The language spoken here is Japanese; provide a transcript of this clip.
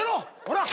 ほら。